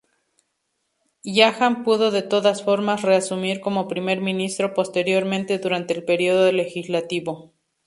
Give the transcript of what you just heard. Jagan pudo de todas formas reasumir como Primer Ministro posteriormente durante el periodo legislativo.